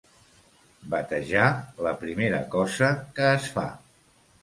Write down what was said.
Batejar, la primera cosa que es fa.